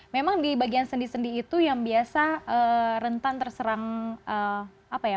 memang di bagian sendi sendi itu yang biasa rentan terserang apa ya